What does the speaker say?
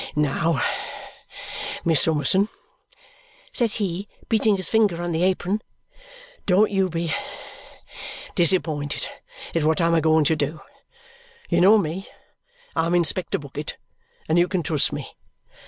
"Now, Miss Summerson," said he, beating his finger on the apron, "don't you be disappointed at what I'm a going to do. You know me. I'm Inspector Bucket, and you can trust me.